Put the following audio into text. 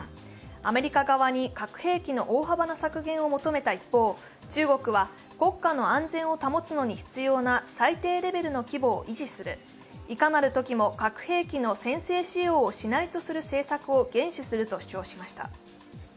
アメリカ側に核兵器の大幅な削減を求めた一方中国は国家の安全を保つのに必要な最低レベルの規模を維持する、いかなるときも核兵器の先制使用をしないとする政策を厳守すると主張しました。